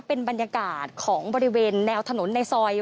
เป็นบรรยากาศของบริเวณแนวถนนในซอย